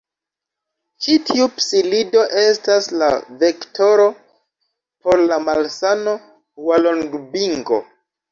Ĉi tiu psilido estas la vektoro por la malsano Hualongbingo.